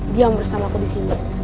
diam bersamaku disini